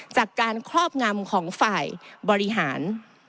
จากการครอบงำของฝ่ายบริหาร